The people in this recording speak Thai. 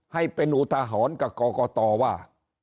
ให้เป็นอุทหรณ์กับก่อก่อต่อว่า